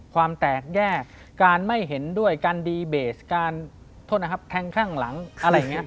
ความแตกแยกการไม่เห็นด้วยการดีเบสการโทษนะครับแทงข้างหลังอะไรอย่างนี้